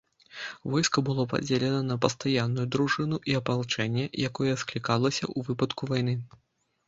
Войска было падзелена на пастаянную дружыну і апалчэнне, якое склікалася ў выпадку вайны.